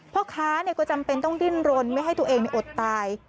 พ่อค้าก็จำเป็นต้องดิ้นรนไม่ให้ตัวเองอดตาย